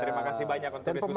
terima kasih banyak untuk diskusi